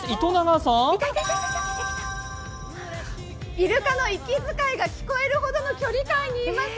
イルカの息づかいが聞こえるほどの距離感にいます。